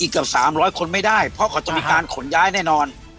เกือบ๓๐๐คนไม่ได้เพราะเขาจะมีการขนย้ายแน่นอน